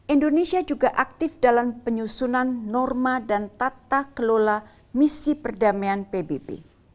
indonesia juga aktif dalam penyusunan norma dan tata kelola misi perdamaian pbb